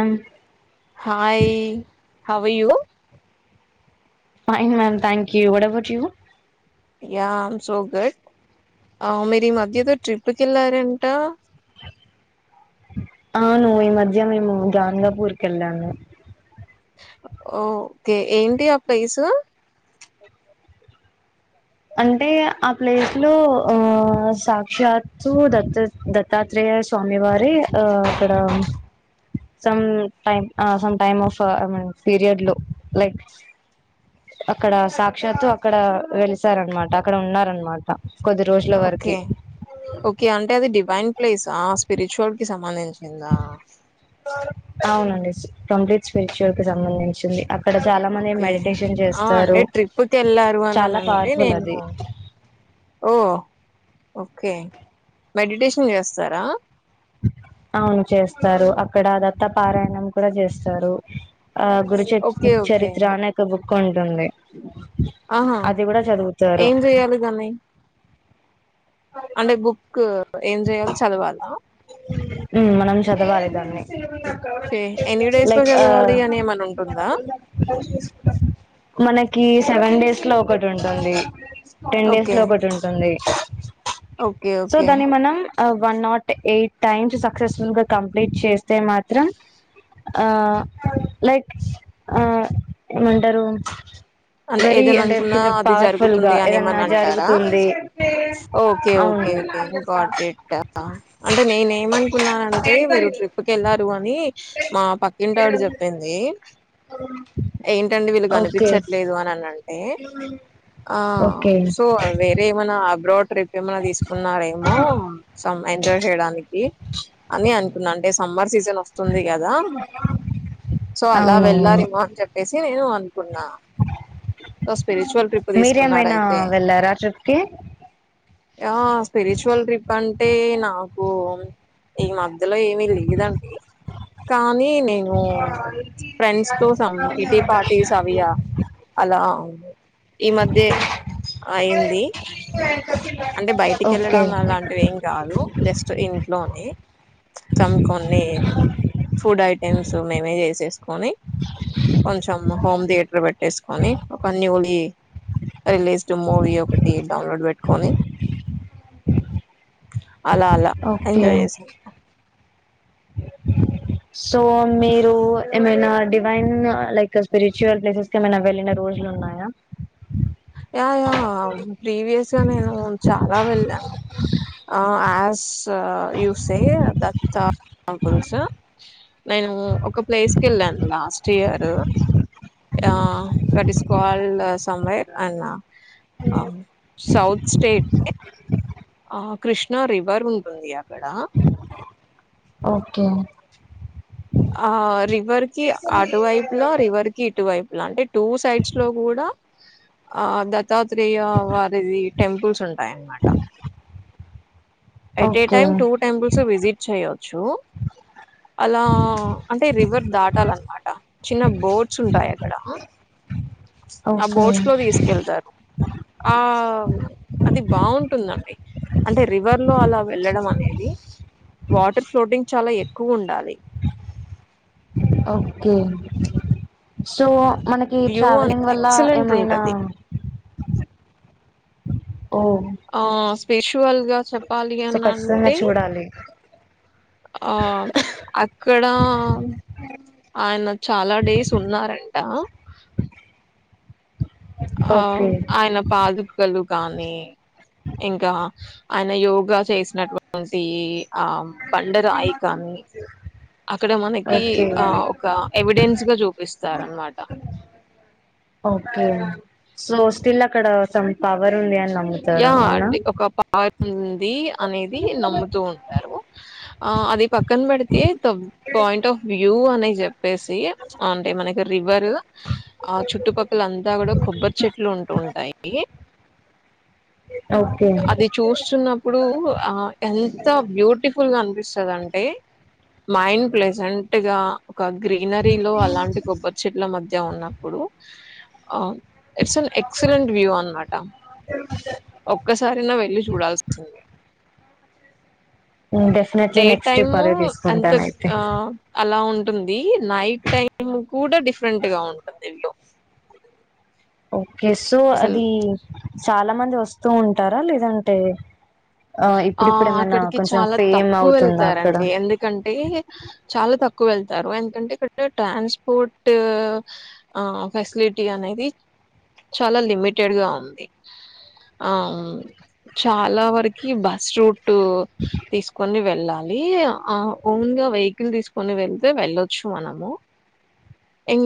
Um hi how are you fine am thank you. What about you? Yeah um so good. ఆ మీర్ ఈ మధ్యేదో ట్రిప్కెళ్లారంట? అవును ఈ మధ్య మేము గాందాపూర్కెళ్ళాము. ఓ ఓకే ఏంటి ఆ ప్లేసు అంటే ఆ ప్లేస్ లో ఆ సాక్షాత్తు దత్తాత్ దత్తాత్రేయ స్వామి వారె ఆ అక్కడ సం టైమ్ ఆ సం టైమ్ ఆఫ్ అమీన్ పీరియడ్ లో లైక్ అక్కడ సాక్షాత్తు అక్కడ వెలిస్ శార్ అన్మాట అక్కడ ఉన్నారన్మాట. ఓకె ఓకె అంటే అది డివైన్ ప్లీజ్ ఆ స్పిరిచువల్ కి సంబంధించి అవునండి. కంప్లీట్ స్పిరిచువల్ కి సంబంధించింది. అక్ ఓకె ఆ అంటె ట్రిప్ కెళ్లారు చాలా అననంటే పవర్ఫుల్ నేను అది ఓ ఓకె మెడిటేషన్ చేస్తారా? అవును చేస్తారు అక్కడ దత్తపారాయణం కూడా చేస్తారు. ఆ గురుచ ఓకే ఓకే చరిత్ర అనే ఒక బుక్ ఉంటుంది. ఆహా అది కూడా చదువుతారు. ఏం అంటె బుక్ ఏం చేయాలి చదవాలా ఊ మనం చదవాలి దాన్ని ఓకే ఎన్ని డేస్ లో లైక్ ఆ చదవాలి అని ఏమైనా ఉంటుందా మనకి సెవెన్ డేస్ ట్లా ఒకటి ఉంటుంది టెన్ డేస్ ఓకే లో ఒకటి ఉంటుంది ఓకే ఓకే ఆ one naught eight times successful గా కంప్లీట్ చేస్తే మాత్రం ఆ లైక్ ఆ ఏమంటారు అంటే వెరీ ఏదైనా అనుకున్నా కొంచెం అది పవర్ఫుల్ గా జరుగుతుంది అని ఏదన్నా ఏమన్నా అంటారా జరుగుతుంది ఓకే అవును ఓకే ఓకే గాట్ ఇట్ అంటే నేను ఏమనుకున్నానంటే మీరు ట్రిప్ కళ్లారు అని మా పక్కింట వాడు చెప్పింది ఏంటండి వీళ్ళు ఓకే కనిపిచ్చట్ లేదు అని అన్నాడు టే ఆ ఓకే సో వేరే ఏమన్నా అబ్రాడ్ ఏమన్నా తీసుకున్నారేమో సమ్ ఎంజాయ్ చేయడానికి అని అన్ కున్నా అంటే సమ్మర్ సీజన్ వస్తుంది కదా సో అలా అవునవును వెళ్లారేమో అని చెప్పేసి నేను అనుకున్నా సో, స్పిరిచువల్ ట్రిప్ మీరేమైనా తీసుకున్నారైతే. వెళ్లారా ట్రిప్ కి ఆ స్పిరిచువల్ ట్రిప్ అంటే నాకు ఈ మాద్ ఇందులో ఏమి లేదండి కానీ నేను ఫ్రెండ్స్ తో సమ్ కిట్టి పార్టీస్ అవి ఆ అలా అవును ఈ మధ్యే అయింది అంటే బయటికి ఓకే వెళ్ళడం లా అలాంటివి ఏం కాదు జస్ట్ ఇన్ లోని కొంచెం కొన్ని ఫుడ్ ఐటెమ్స్ మేమే చేసేసుకొని కొంచెం హోమ్ థియేటర్ పెట్టేసుకొని ఒక న్యూ రిలీజ్డ్ మూవీ ఒకటి డౌన్లోడ్ పెట్టుకొని అలా అలా ఓకే ఎంజాయ్ చేసాను సో మీరు ఏమైనా డివైన్ లైక్ స్పిరిచువల్ ప్లేసెస్ కెమైనా వెళ్ళిన రోజులు ఉన్నాయా యా ప్రీవియస్ గా నేను చాలా వెళ్ళాను ఆ ఆస్ యూసే దత్త టంపుల్స్ నేను ఒక ప్లేస్ కి ఏళ్ళాను లాస్ట్ ఇయర్ ఆ దట్ ఇస్ కాల్డ్ సంవెరె అండ్ సౌత్ స్టేట్ ఆ కృష్ణా రివర్ ఉంటుంది అక్కడ ఓకే ఆ రివర్ కి అటువైపు లో రివర్ కి ఇటువైపు ఇలాంటి టూ సైడ్స్ లో కూడా ఆ దత్తాత్రేయ వారిది టెంపుల్స్ ఉంటాయన్నమాట at a okay time two temples visit చేయొచ్చు అలా అంటే రివర్ దాటాలన్నమాట చిన్నం బోట్స్ ఉంటాయి అక్కడ ఆ ఓకే బోట్స్ లో తీసుకెళ్తారు ఆ అది బాగుంటుందండి అంటే రివర్ లో అలా వెళ్ళడం అనేది వాటర్ ఫ్లోటింగ్ చాలా ఎక్కువ ఉండాలి ఓకే సో మనకి వ్యూ అని ట్రావెలింగ్ వల్ల ఎక్సలెంట్ ఏమైనా ఉంటది ఓ ఆ పేశ ట్వల్ గా చెప్పాలి సో అని ఖచ్చితంగా అంటే చూడాలి ఆ అక్కడ ఆయన చాలా డేస్ ఉన్నారంట ఆ ఓకే ఆయన పాదుపుకలు కానీ ఇంకా ఆయన యోగా చేసినటువంటి ఆ బండరాయి కాని అక్కడ మనకి ఓకే ఆ ఒక ఎవిడెన్స్ గా చూపిస్తార అనమాట ఓకే సో స్టిల్ అక్కడ సం పవర్ ఉంది అని యా నమ్ముతారు అవునా అండి ఒక పా ఉంది అనేది నమ్ముతూ ఉంటారు ఆ అది పక్కన పెడితే పాయింట్ ఆఫ్ వ్యూ అనేది చెప్పేసి అంటే మనకి రివర్ ఆ చుట్టుపక్కల అంతా కూడా కొబ్బరి చెట్లు ఉంటూ ఉంటాయి ఓకే అది చూస్తున్నప్పుడు ఆ ఎంత బ్యూటిఫుల్ ఫుల్ గా అనిపిస్తుందింటే మైండ్ ప్ర్లెజెంట్ గా ఒక గ్రీనరీ లో అలాంటి కొబ్బరి చెట్ల మధ్య ఉన్నప్పుడు ఆ ఇట్స్ అన్ ఎక్సలెంట్ వ్యూ అన్నమాట ఒక్కసారి నా వెళ్ళి చూడాల్సి definitely day next trip time అదే అంత తీసుకుంటాను అయితే ఆ అలా ఉంట ఉంది నైట్ టైం కూడా డిఫరెంట్ గా ఉంటుంది ఇల్లో ఓ కెస్సో అసలు అది సాల చాలా మంది వస్తూ ఉంటారా లేదంటే ఆ ఇప్పుడిప్పుడు ఏమైనా అక్కడికి కొంచెం చాలా ఫేమ్ తక్కువ అవుతుందా అక్కడ వెళ్తారండి ఎందుకంటే చాలా తక్కువ వెళ్తారు ఎందుకంటే ఇక్కడ ట్రాన్స్పోర్ట్ ఫెసిలిటీ అనేది చాలా లిమిటెడ్గా ఉంది ఆ చాలా వరకు ఈ బస్ రూట్ టు తీసుకని వెళ్ వెళ్లాలి ఓన్గా వెహికల్ తీసుకని వెళ్తే వెళ్ళొచ్చు మనము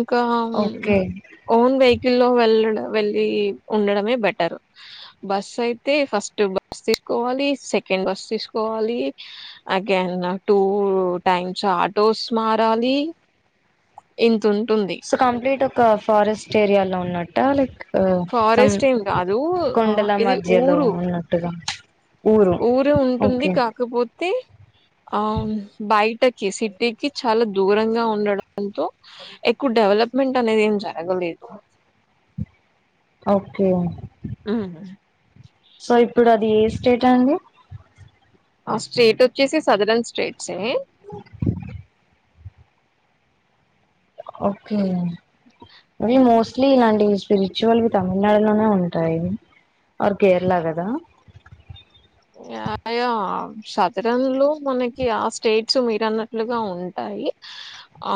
ఒక ఓకే ఓన్ వెహికల్ లో వెళ్ళడు వెళ్ళి ఉండడమే బెటర్ బస్ అయితే ఫస్ట్ బస్ తీ కోవాలి సెకండ్ బస్ తీసుకోవాలి అగైన్ టూ టైమ్స్ ఆటోస్ మారాలి ఇంత ఉంది సో కంప్లీట్ ఒక ఫారెస్ట్ ఏరియాలో ఉన్నట్ట లైక్ సమ్ ఫారెస్ట్ ఏం కాదు కొండల ఇది మధ్యలో ఊరు ఉన్నట్టుగా ఊరు ఊరే ఉంటుంది ఓకే కాకపోతే ఆ బయటకి సిటీకి చాలా దూరంగా ఉండటంతో ఎక్కువ డెవలప్మెంట్ అనేది ఏం జరగలేదు ఓకే ఉమ్ సో ఇప్పుడు ఏ స్టేట్ అండి ఆ స్టేట్ వచ్చేసి సదరన్ స్టేట్ సరే ఓకే మీ మోస్ట్లీ ఇలాంటి స్పిరిచువల్వి తమిళనాడులోనే ఉంటాయి ఆర్ కేరళ కదా ఆ యా సదరంలో మనకి ఆ స్టేట్స్ మీరున్నట్లుగా ఉంటాయి ఆ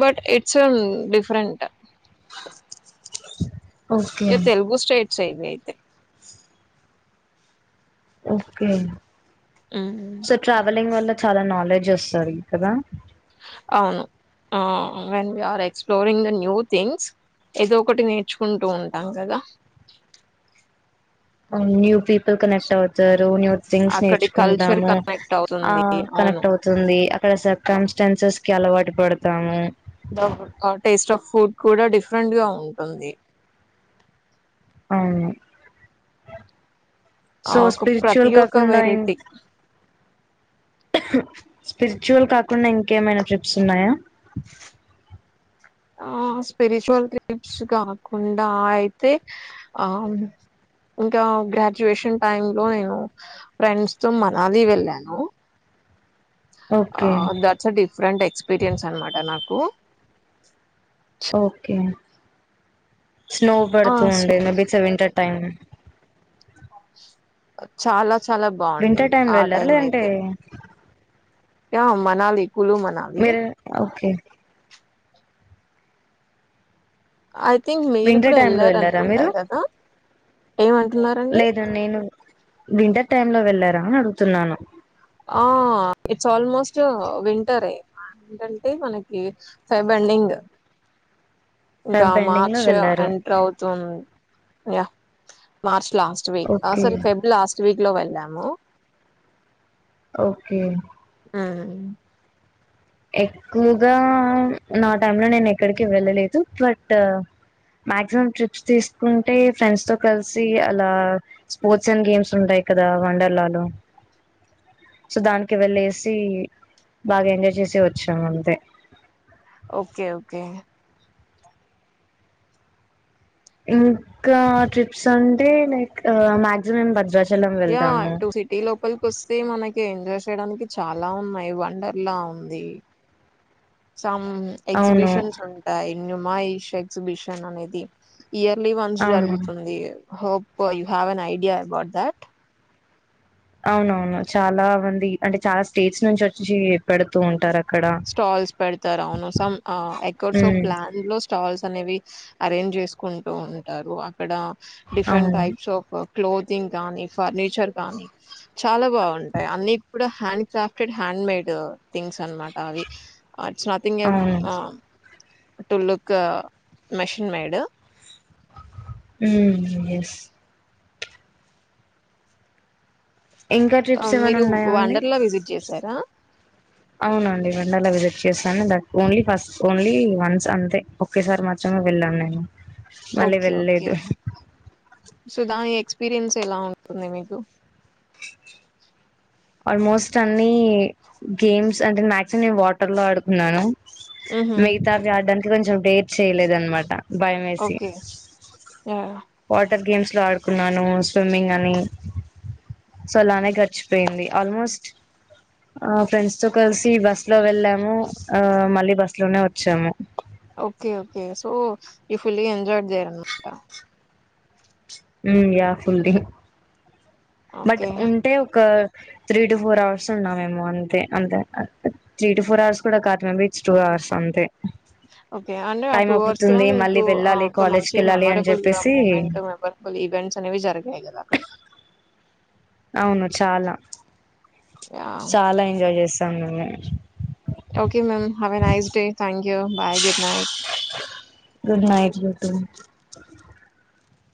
బట్ ఇట్స్ డిఫరెంట్ ఓకే ఇగ తెలుగు స్టేట్ ట్స్ ఇవైతే ఓకే సో ట్రావలింగ్ వల్ల చాలా నాలెడ్జ్ వస్తాది కదా అవును when we are exploring the new things ఏదో ఒకటి నేర్చుకుంటూ ఉంటాం కదా న్యూ పి పుల్ కనెక్ట్ అవుతారు న్యూ థింగ్స్ అక్కడి కల్చర్ నేర్చుకుంటాము కనెక్ట్ ఆ అవుతుంది అవును కనెక్ట్ అవుతుంది అక్కడ సర్కంస్టాన్సెస్ కి అలవాటు పడతాము టేస్ట్ ఆఫ్ ఫుడ్ కూడా డిఫరెంట్ గా ఉంటుంది అవును ఆ సో ఒక ప్రతి స్పిరిచువల్ ఒక కాకుండా ఇం వెరైటీ స్పిరిచువల్ కాకుండా ఇం ఇంకేమైనా ట్రిప్స్ ఉన్నాయా ఆ స్పిరిచువల్ క్లిప్స్ కాకుండా అయితే ఆ ఇంకా గ్రాడ్యుయేషన్ టైమ్ లో నేను ఫ్రెండ్స్ తో మనాలి వెళ్ళాను ఆ okay that's a different experience అన్నమాట నాకు ఓకే స్నో ఆ పడుతూ ఉండే స్న- బీచ్ వింటర్ టైం చాలా చాలా వింటర్ బాగుండింది టైం లో ఆ వెళ్లర లేదంటే ఆ మనాలి కులు మనాలి మీరూ ఓకే ఐ థింక్ మీరు వింటర్ కూడా టైమ్ లో వెళ్ళారా వెళ్లారనుకుంటా మీరు కదా ఏమంటున్నారండి లేదు నేను వింటర్ టైమ్ లో వెళ్ళను అడుగుతున్నాను ఆ ఇట్స్ ఆల్మోస్ట్ వింటర్ే ఏంటంటే మనకి ఫెబ్ ఎండింగ్ ఇంకా ఫెబ్ ఎండింగ్ లో మార్చ్ వెళ్ళారు ఎంటర్ అవుతుం yeah March last week okay అసల్ ఫెబ్ లాస్ట్ స్వీక్ లో వెళ్ళాము ఓకే హు ఎక్కువగా నా టైమ్ లో నేను ఎక్కడికి వెళ్ళలేదు బట్ మక్సిమం ట్రిప్స్ తీసుకుంటే ఫ్రెండ్స్ తో కలిసి అలా స్పోర్ట్స్ అండ్ గేమ్స్ ఉంటాయి కదా వండర్లా లో సో దానికి వెళ్ళసి బాగా ఎంజాయ్ చేస్ వచ్చం అంతే ఓకే ఓకే ఇంకా ట్రిప్స్ అంటే లైక్ మాక్సిమం భద్రాచ్ యా ఇటూ సిటీ లోపల్కి వస్తే మనక్ కీ ఎంజాయ్ చేయడానికి చాలా ఉన్నాయి వండర్ లా ఉంది చమ్ అవును ఎగ్జిబిషన్స్ ఉంటాయి ఇన్ మా ఇష్ ఎక్సిబిషన్ అనేది ఇయర్లీ వన్స్ అవును జరుగుతుంది hop you have an idea about that అవునవును చాలా మంది అంటే చాలా స్టేట్స్ నుంచి వచ్చి పెడుతూ ఉంటారన్ స్టాల్స్ పెడతారు అవును some acres of um land లో స్టాల్స్ అనేవి అరేంజ్ చేసుకుంటూ ఉంటారు అక్కడ డిఫరెంట్ అవును టైప్స్ ఆఫ్ క్లోథింగ్ కానీ, ఫర్నిచర్ కానీ చాలా బాగుంటాయి అన్ని కూడా hand crafted hand made things అన్మాట్ అవి అ చాథింగ్ ఎబ్ అవును ఆ టుల్లు ఒక మెషిన్ మేడు ఉమ్ ఎస్ ఇంకా ట్రిప్స్ ఏమైనా మీరు ఉన్నాయా అండి వండర్లా విజిట్ చేసారా? అవునండి వండర్లా విజిట్ చేశాను that only first only once అంతే ఒకేసారి మాత్రమే వెళ్ళాను నేను మళ్ళీ ఓకే. ఓకే. వెళ్ళలేదు సో దాని ఎక్స్పీరియన్స్ ఎలా ఉంటుంది మీకు ఆల్మోస్ట్ అన్ని గేమ్స్ అంటే మక్సిమమ్ వాటర్ లో ఆడుకున్నాను హుహు. మిగతావి ఆడ్డానికి కొంచెం వేర్ చేయలేదనమాట ఓకే ఆ వాటర్ గేమ్స్ లో ఆడుకున్నాను స్విమ్మింగ్ అని సో అలానే గడ్చిపోయింది. ఆల్మోస్ట్ ఆ ఫ్రెండ్స్ తో కలిసి బస్ లో వెళ్ళాము ఆ మళ్ళీ బస్ లోనే వచ్చాము. Okay okay so you fully enjoyed there అనమాట hmm yeah fully but okay ఉంటే ఒక త్రీ టు ఫోర్ అవర్స్ ఉన్నామేమో అంతే అంతే అ అ త్రీ టు ఫోర్ అవర్స్ కూడ కర్టన్ బీచ్ టూ అవర్స్ అంతే ఓకే అంటే ఆ టైం టూ అవర్స్ కూడా అయిపోతుంది మీకు మళ్ళీ ఆ వెళ్ళాలి ఒక కాలేజ్కి మంచి వెళ్ళాలి అని మెమరబుల్ చెప్పేసి మూమెంట్ మెమరబుల్ ఈవెంట్స్ అనేవి జరిగాయి కదా అక్కడ అవును చాలా యాహ్! చాలా ఎంజాయ్ చేస్ [unintelligible] okay ma'am have a nice day thank you bye good night good night you two